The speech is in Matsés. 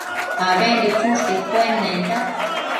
abembi cheshcuennenda